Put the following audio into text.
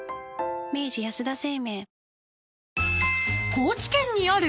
［高知県にある］